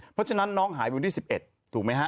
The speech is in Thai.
เพราะฉะนั้นน้องหายวันที่๑๑ถูกไหมฮะ